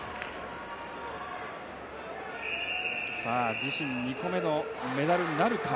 自身２個目のメダルなるか。